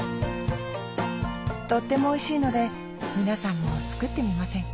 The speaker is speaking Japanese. とってもおいしいので皆さんも作ってみませんか？